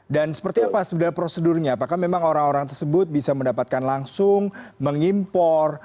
dan seperti apa sebenarnya prosedurnya apakah memang orang orang tersebut bisa mendapatkan langsung mengimpor